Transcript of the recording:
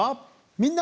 「みんな！